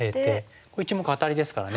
これ１目アタリですからね